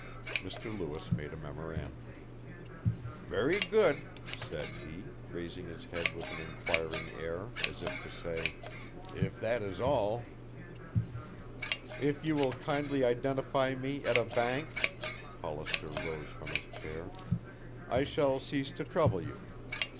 Mr. Lewis made a memorandum. "Very good," said he, raising his head with an inquiring air, as if to say "If that is all " "If you will kindly identify me at a bank," Hollister rose from his chair, "I shall cease to trouble you.